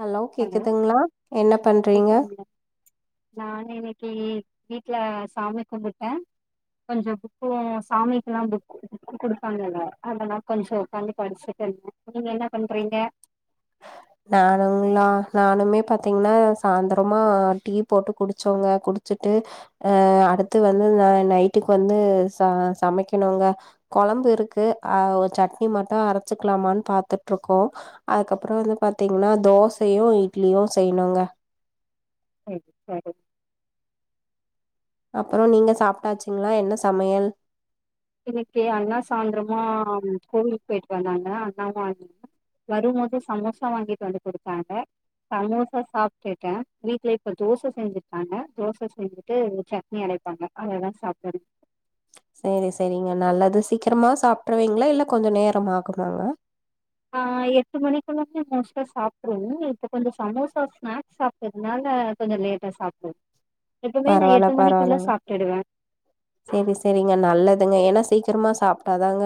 Hello கேக்குதுங்களா என்ன பண்றீங்க கேக்குதுங்களா நானு இன்னக்கி வீட்ல சாமி கும்பிட்டே கொஞ்சோ புக்கூ சாமிக்கெல்லா புக் புக் கொடுப்பாங்கல்ல அதெல்லா கொஞ்சோ உக்காந்து படிச்சிட்ருந்தோ நீங்க என்ன பண்றீங்க நானுங்ளா நானுமே பாத்தீங்கன்னா சாயந்தரமா டீ போட்டு குடிச்சோங்க குடிச்சுட்டு ஆ அடுத்து வந்து ந நைட்டுக்கு வந்து ச சமைக்கணுங்க கொலம்பு இருக்கு ஆ சட்னி மட்டூ அரைச்சுக்கலாமான்னு பாத்துட்டு இருக்கோ அதுக்கப்பறோ வந்து பாத்தீங்கன்னா தோசையூ இட்லியூ செய்யணுங்க ம் [inaudible] அப்புறம் நீங்க சாப்பிட்டாச்சுங்களா என்ன சமையல் இன்னிக்கி அண்ணா சாயந்திரமா கோவிலுக்கு போயிட்டு வந்தாங்க அத்னாலதா ஆக் வரும்போது சமோசா வாங்கிட்டு வந்து குடுத்தாங்க சமோசா சாப்பிட்டுட்டோ வீட்லய இப்ப தோச செஞ்சிற்காங்க தோச செஞ்சுட்டு சட்னி அரைப்பாங்க அதோதா சாப்பாடு சேரி செரிங்க நல்லது சீக்கிரமா சாப்பிட்றீவிங்களா இல்ல கொஞ்சோ நேரம் ஆகுமாங்க ஆ எட்டு மணக்குள்ளமே மோஸ்ட்டா சாப்பிட்றுவோ இப்ப கொஞ்சோ சமோசா ஸ்நாக்ஸ் சாப் இத்னால கொஞ்சோ லேட்டா சாப்டு எப்பவுமே நா பரவால்ல எட்டு மணிக்குள்ள பரவால்லங்க சாப்டுடுவே செரி செரிங்க நல்லதுங்க ஏனா சீக்கிரமா சாப்டாதாங்க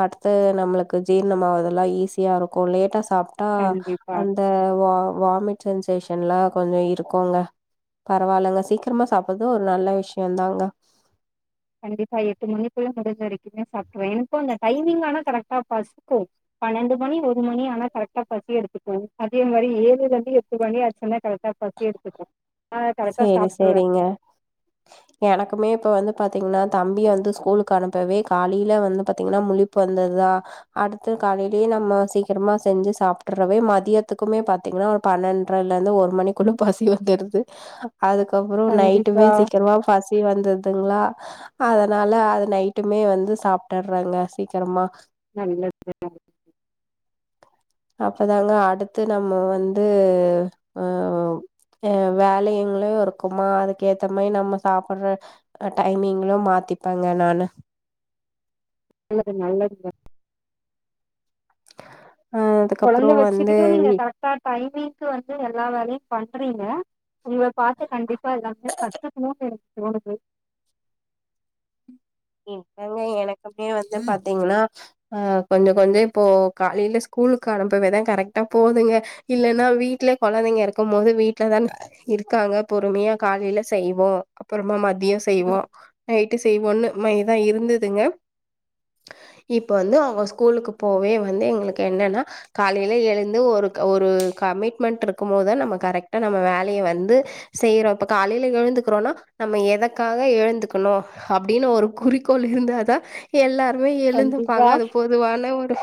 அடுத்து நம்மளுக்கு ஜீர்ணம் ஆகுர்தெல்லா ஈஸியா இருக்கோ லேட்டா சாப் டா கண்டிப்பா அந்த வா வாமிட் சென்சேஷன்லா கொஞ்சம் இருக்கோங்க பரவாயில்லங்க சீக்கிரமா சாப்பட்றதூ ஒரு நல்ல விஷயம் தாங்க கண்டிப்பா எட்டு மணிக்குள்ள முடிஞ்ச வரைக்குமே சாப்பிட்றுவே எனக்கும் அந்த டைமிங் ஆனா கரெக்டா பசிக்கோ பன்னெண்டு மணி ஒரு மணி ஆனா கரெக்டா பசி எடுத்துக்கோ அதே மாரி ஏழு இருந்து எட்டு மணி ஆச்சுன்னா கரெக்ட் டா பசி எடுத்துக்கோ நா கரெக்டா சேரி சாப்ட்றுவே சேரிங்க எனக்குமே இப்ப வந்து பாத்தீங்கன்னா தம்பிய வந்து ஸ்கூலுக்கு அனுப்பவே காலயில வந்து பாத்தீங்கன்னா முழிப்பு வந்துருதா அடுத்து காலையிலயே நம்ம சீக்கிரமா செஞ்சு சாப்பிடுறவே மதியத்துக்குமே பாத் பார்த்தீங்கன்னா ஒரு பன்னெண்றல இருந்து ஒரு மணிக்குள்ள பசி வந்துட்து அதுக்கப்புறம் நைட்டுமே கண்டிப்பா சீக்கிரமா பசி வந்துத்துங்களா அதனால அது நைட்டுமே வந்து சாப்டுற்றோங்க சீக்கிரமா நல்லத்து தாங்க அப்ப தாங்க அடுத்து நம்ம வந்து அம் அ வேலைங்களூ இருக்குமா அதுக்க ஏத்த மாரி நம்ம சாப்பட்ற டைமிங்கலூ மாத்திப்பேங்க நானு என்னது நல்லது தாங் [unintelligible] கொழந்த அதுக்கப்புறோ வந்து வெச்சிக்கிட்டூ நீங்க வீ கரெக்டா டைமிங்க வந்து எல்லா வேலயும் பண்றீங்க உங்க பாத்தா கண்டிப் பா இப்ப எல்லாத்துயூ கத்துக்கணூ எனக்கு தோணுது இல்லங்க எனக்குமே வந்து பாத்தீங்கன்னா ஆ கொஞ்சோ கொஞ்சோ இப்ப காலேல ஸ்கூலுக்கு அனுப்பவே தா கரெக்டா போகுதுங்க இல்லனா வீட்லயே கொழந்தைங்க இருக்கும் போது வீட்லதான இருக்காங்க பொறுமையா காலேல செய்வோ அப்பறமா மதியோ ம் செய்வோ நைட்டு செய்வோன்னு மாரிதா இருந்ததுங்க இப்ப வந்து அவுங்க ஸ்கூலுக்கு போவே வந்து எங்களுக்கு என்னன்னா காலேல எழுந்து ஒரு ஒரு கமிட்மெண்ட் இருக்கும் போதுதா நம்ம கரெக்ட்டா நம்ம வேலய வந்து செய்றோ இப்ப காலேல எழுந்துக்கிறோன்னா நம்ம எதக்காக எழுந்துக்கணு அப்டின்னு ஒரு குறிக்கோள் இருந்தாதா எல்லாருமே கண்டிப்பா எழுந்துப்பாங்க அது பொதுவான ஒரு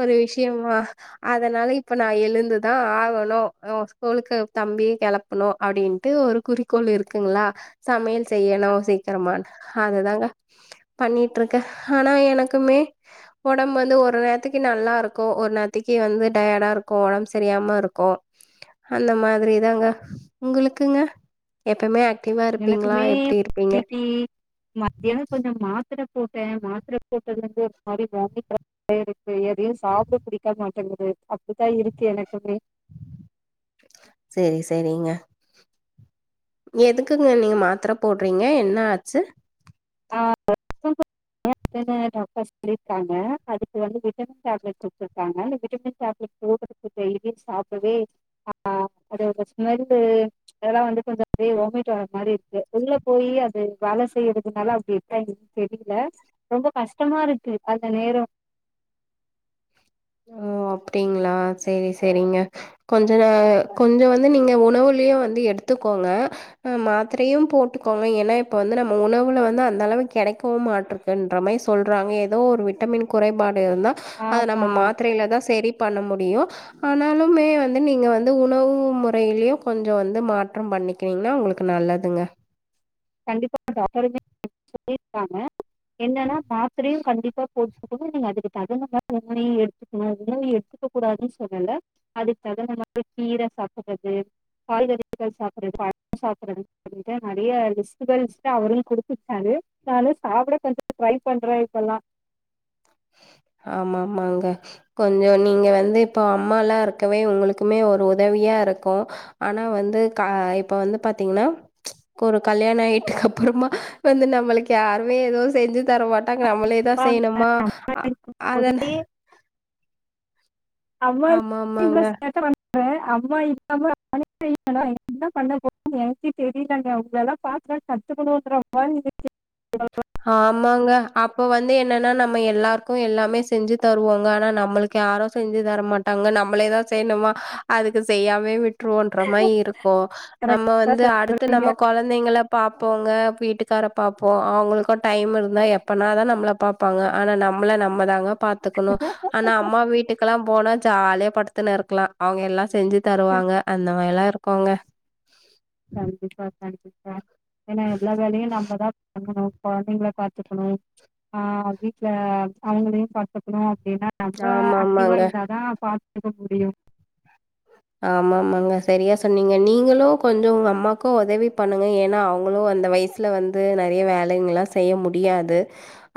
ஒரு விஷயமா அதனால இப்ப நா எழுந்துதா ஆகணு ஒ ஸ்கூலுக்கு தம்பியு கெளப்ப னு அப்டின்ட்டு ஒரு குறிக்கோள் இருக்குங்களா சமையல் செய்யணு சீக்கிரமான்னு அதுதாங்க பண்ணிட்டுருக்கே ஆனா எனக்குமே ஒடம்பு வந்து ஒரு நேரத்திக்கி நல்லா இருக்கு ஒரு நேரத்திக்கி வந்து டயர்டா இருக்கு ஒடம்ப சரியாம இருக்கு அந்த மாதிரி தாங்க உங்களுக்குங்க எப்பயுமே ஆக்டிவா இருப்பீங்களா எனக்குமே எப்டி இருப்பீங்க இன்னைக்கி மத்தியானோ கொஞ்சோ மாத்தர போட்டே மாத்தர போட்டதுலருந்து ஒரு மாரி வாமிட் வர்ற இருக்கு எதையு சாப்ட பிடிக்க மாட்டேங்குது அப்டித்தா இருக்கு எனக்குமே சேரி சேரிங்க எதுக்குங்க நீங்க மாத்தர போடுறீங்க என்ன ஆச்சு ஆ [inaudible] [inaudible] டாக்டர் சொல்லிருக்காங்க அதுக்கு வந்து விட்டமின் டேப்லெட் குடுத்துருக்காங்க அந்த விட்டமின் டேப்லெட் எவ்ளோ கசப்பு டெய்லியு சாப்டவே ஆ அதோட ஸ்மெல்லு அதெல்லா வந்து கொஞ்சோ அப்டியே வாமிட் வர்ற மாரி இருக்கு உள்ள போய் அது வேல செய்ற அதனால அப்டி இருக்கா என்னான்னு தெரியல ரொம்ப கஷ்டமா இருக்கு அந்த நேரோ ஓ அப்டிங்களா சேரி சேரிங்க கொஞ்ச நா கொஞ்சோ வந்து நீங்க உணவுலையு வந்து எடுத்துக்கோங்க ஆ மாத்தரையும் போட்டுக்கோங்க ஏன்னா இப்ப வந்து நம்ம உணவுல வந்து அந்த அளவு கெடைக்கவு மாட்ருக்கு ன்ற மாரி சொல்றாங்க ஏதோ ஒரு விட்டமின் குறைபாடு இருந்தா அத ஆமா நம்ம மாத் தரைலதா செரி பண்ண முடியு ஆனாலுமே வந்து நீங்க வந்து உணவு முறையிலயு கொஞ்சோ வந்து மாற்றம் பண்ணி கின்னீங்கன்னா உங்களுக்கு நல்லதுங்க கண்டிப்பா டாக்டர்ருமே இதா சொல்லிருக்காங்க என்னன்னா மாத்தரையு கண்டிப்பா போட் டுக்கணு நீங்க அதுக்கு தகுந்த மாரி உணவையு எடுத்துக்கணு உணவையு எடுத்துக்க கூடாதுன்னு சொல்லல அதுக்கு தகுந்த மாரி கீரை சாப்ட்றது காய்கறிகள் சாப்ட்றது பழங்கள் சாப்ட்றது அப்டின்ட்டு நெறையா லிஸ்ட் இந்த லிஸ்ட்ட அவரு குடுத்துவுட்டாரு நானு சாப்ட கொஞ்சோ ட்ரை பண்றே இப்பல்லா ஆமா ஆமாங்க கொஞ்சோ நீங்க வந்து இப்ப அம்மால்லா இருக்கவே உங்களுக்குமே ஒரு உதவியா இருக்கு ஆனா வந்து கா இப்ப வந்து பாத்தீங்கன்னா ஒரு கல்யாணோ ஆயிட்டுக்கப்பறமா வந்து நம்மளுக்கு யாருமே எதுவு செஞ்சி தரமாட்டாங்க நம்மளே தா அப்பா செய்யணுமா படிக்கும் அத போதே அம்மா ஆமா இருந்தே ஆமாங்க. இவ்ளோ சேட்ட பண் றாங்க அம்மா இல்லாம நானே என்ன பண்ண போறேன்னு எனக்கே தெரியலங்க உங்களெல்லா பாக் பாத்து கத்துக்கணும் [inaudible] ஆமாங்க அப்ப வந்து என்னன்னா நம்ம எல்லாருக்கும் எல்லாமே செஞ்சு தருவோங்க ஆனா நம்மளுக் யாரும் செஞ்சு தரமாட்டாங்க நம்மளே தா செய்யணுமா அதுக்கு செய்யாமே விட் டுல்லான்ற மாரி இருக்கும் நம்ம கரெக்டா வந்து அடுத்து நம்ம சொல்றீங்க கொழந் தைங்கள பாப்போங்க வீட்டுக்கார பாப்போம் அவங்களுக்கும் டைம் இருந்தா எப்பனா தா நம்மள பாப் ப்பாங்க ஆனா நம்மள நம்ம தாங்க பாத்துக்கணும் ஆனா அம்மா வீட்டுக் லாம் போனா ஜாலியா படுத்துன்னு இருக்லா அவங்க எல்லாம் செஞ்சு தருவாங்க அந்த மாரில்லா இருக்கவங்க ஏன்னா எல்லா வேலையும் நம்ம தா பண்ணணும் கொழந்தைங்கள பாத்துக்கணும் ஆ வீட்ல அவங்களையும் பாத் துக்கணும் அப்டின்னா நம்ம ஆக்டிவா ஆமாமாங்க. இருந்தா தா பாத்துக்க முடியும் ஆமா ஆமாங்க சரியா சொன்னீங்க நீங்களும் கொஞ்ச உங்க அம்மாக்கும் உதவி பண்ணுங்க ஏன்னா அவங்களும் அந்த வய்ஷ் ல வந்து நெறைய வேலைங்கலா செய்ய முடியாது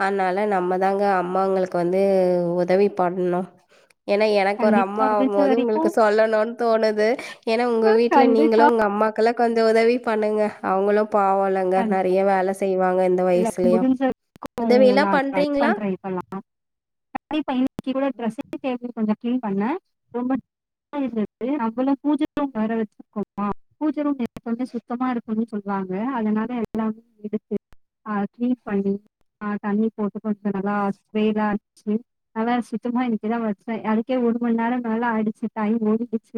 அன்னால நம்ம தாங்க அம்மாங்களுக்கு வந்து உதவி பண்ணு ஏன்னா எனக்கு ஒரு கண்டிப்பா அம்மா ஆகு முடிஞ்ச போது உங்களுக்கு வரைக்கும் சொல்லணும் தோணுது ஏன்னா உங்க வீட்ல கண்டிப்பா நீங்களும் உங்க அம்மாக்கெல்லா கொஞ்சம் உதவி பண்ணுங்க அவங்களும் பாவம்ல கண்- நெறைய வேல செய்வாங்க இந்த இல்ல வயசுலயும் முடிஞ்ச [inaudible] கொஞ்சம் கிளீன் பண்ண ரொம்ப [inaudible] அவ்வளோ பூஜ வேற வச்சு [inaudible] பூஜ ரூம் எப்பவுமே சுத்தமா இருக்கணு சொல்வாங்க அதனால எல்லாமே எடுத்து அ க்ளின் பண்ணி அ தண்ணி போட்டு கொஞ்சம் நல்லா ஸ்ப்ரேலா அச்சு வேற சுத்தமா இன்னைக்கு தா வச்சேன் அதுக்கே ஒரு மணி நேரம் நல்லா ஆயிடுச்சு டைம் ஓடி போச்சு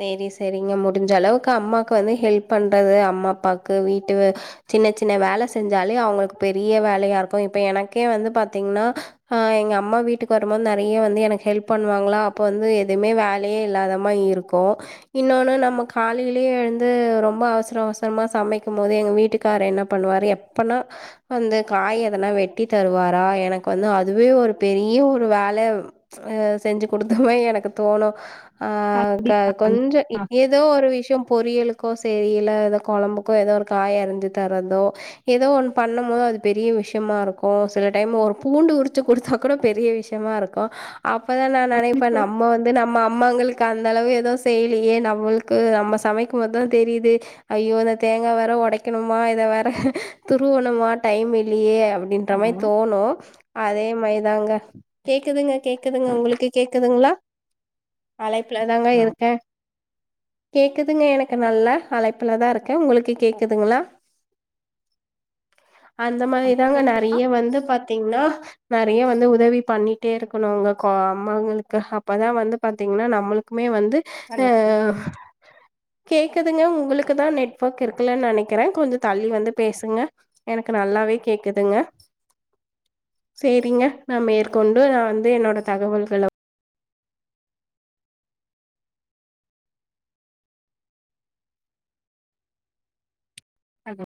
சரி சரிங்க முடிஞ்ச அளவுக்கு அம்மாக்கு வந்து ஹெல்ப் பண்றது அம்மா அப்பாக்கு வீட்டு வே சின்ன சின்ன வேல செஞ்சாலே அவுங்களுக்கு பெரிய வேலையா இருக்கும் இப்ப எனக்கே வந்து பாத்தீங்கன்னா ஆ எங்க அம்மா வீட்டுக்கு வரும்போது நெறைய வந்து எனக்கு ஹெல்ப் பண்ணுவாங்ளா அப்ப வந்து எதுவுமே வேலயே இல்லாத மாரி இருக் கோ இன்னொன்னு நம்ம காலையிலயே எழுந்து ரொம்ப அவசர அவசரமா சமைக்கும் போது எங்க வீட்டுக்கார் என்ன பண்ணுவாரு எப் ப்பனா வந்து காய் எதனா வெட்டி தருவாரா எனக்கு வந்து அதுவே ஒரு பெரிய ஒரு வேல அ செஞ்சு குடுத்த மாரி எனக்கு தோணும் ஆ அ கொஞ்சம் ஏதோ ஒரு விஷயம் பொறியலுக்கோ செரியில எதோ கொழம்புக்கோ ஏதோ ஒரு காய் அரிஞ்சி தரதோ ஏதோ ஒண்ணு பண்ணும் போது அது பெரிய விஷயமா இருக்கும் சில டைம் ஒரு பூண்டு உரிச்சு குடுத்தா கூட பெரிய விஷ் யமா இருக்கும் அப்பதா நா நெனைப்ப நம்ப வந்து நம்ம அம்மாங்களுக்கு அந்த அளவு எதுவும் செய்லியே நம்மளுக்கு நம்ம சமைக்கும் போது தா தெரிது ஐய்யோ இந்த தேங்கா வேற ஒடைக்கணுமா இத வேற துருவணுமா டைம் இல்லீயே அப்டி ஹலோ அதே மாரி தாங்க கேக்குதுங்க அழைப்புல தாங்க இருக்க கேக்குதுங்க எனக்கு நல்ல அழைப்பில தா இருக்க உங்களுக்கு கேக்குதுங்களா அந்த மாரி தாங்க நெறைய வந்து பாத்தீங்ன்னா நெறைய வந்து உதவி பண்ணிட்டே இருக்கணுங்க கொ அம்மாங்களுக்கு அப்பதா வந்து பாத்தீங்ன்னா நம்ளுக்குமே வந்து ஹலோ ஆ கேக்குதுங்க உங்களுக்கு தா நெட்ஒர்க் இருக்குலன் நெனைக்கிற கொஞ்சம் தள்ளி வந்து பேசுங்க எனக்கு நல்லாவே கேக்குதுங்க சேரிங்க நா மேற்கொண்டு நா வந்து என்னோட தகவல்கள அலோ